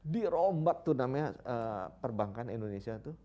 dirombak tuh namanya perbankan indonesia tuh